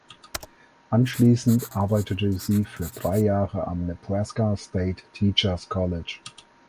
Anschließend arbeitete sie für drei Jahre am Nebraska State Teachers College.